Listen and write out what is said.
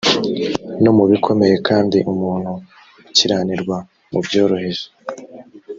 no mu bikomeye kandi umuntu ukiranirwa mu byoroheje